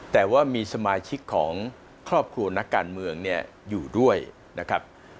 แต่ว่ามีสมาชิกของครอบครัวนักการเมืองเนี่ยอยู่ด้วยนะครับ